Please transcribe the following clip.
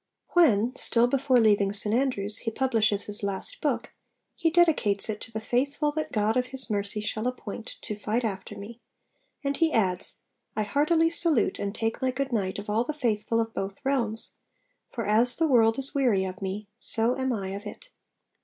When (still before leaving St Andrews) he publishes his last book, he dedicates it to the faithful 'that God of His mercy shall appoint to fight after me;' and he adds, 'I heartily salute and take my good night of all the faithful of both realms ... for as the world is weary of me, so am I of it.'